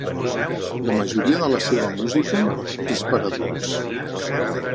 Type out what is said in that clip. La majoria de la seva música és per a adults.